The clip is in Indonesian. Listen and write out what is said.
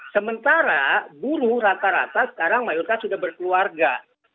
sementara buruh rata rata sekarang mayoritas sudah berkeluarga